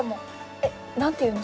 えっ何ていうの？